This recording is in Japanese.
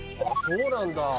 ああそうなんだ。